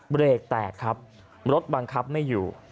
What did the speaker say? เบรกแตกครับรถบังคับไม่อยู่